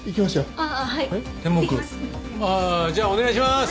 ああじゃあお願いします！